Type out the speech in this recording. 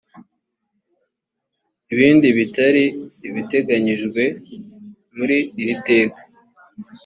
ibindi bitari ibiteganyijwe muri iri teka